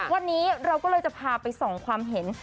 วันนี้เราก็เลยจะพาไปส่องความเห็น